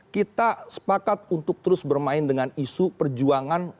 kita sepakat untuk terus bermain dengan isu perjuangan